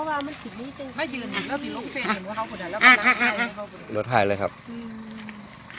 อาหารนี้เองคือ